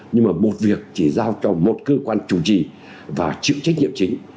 nhưng mà một việc chỉ giao cho một cơ quan chủ trì và chịu trách nhiệm chính